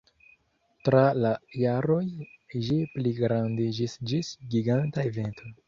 Tra la jaroj ĝi pligrandiĝis ĝis giganta evento.